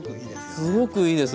すごくいいです。